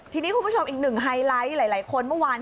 ทีนี้คุณผู้ชมอีกหนึ่งไฮไลท์หลายคนเมื่อวาน